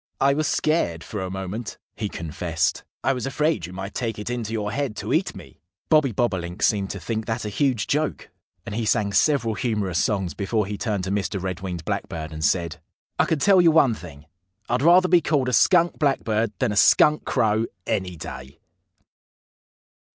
"I was scared, for a moment," he confessed. "I was afraid you might take it into your head to eat me." Bobby Bobolink seemed to think that a huge joke. And he sang several humorous songs before he turned to Mr. Red winged Blackbird and said: "I can tell you one thing. I'd rather be called a Skunk Blackbird than a Skunk Crow, any day!"